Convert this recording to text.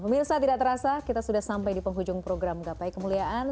pemirsa tidak terasa kita sudah sampai di penghujung program gapai kemuliaan